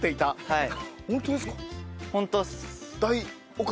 はい。